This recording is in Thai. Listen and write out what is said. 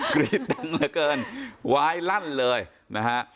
กรี๊ดดังเหลือเกินวายลั่นเลยนะฮะ